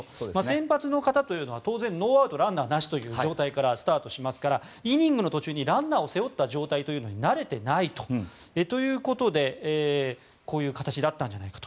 先発の方というのは当然ノーアウトランナー、なしという状態からスタートするのでイニングの途中にランナーを背負った状態に慣れてないということでこういう形だったんじゃないか。